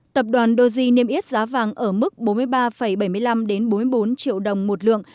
tập đoàn doge niêm yết giá vàng ở mức bốn mươi ba bảy mươi năm bốn mươi bốn triệu đồng một lượng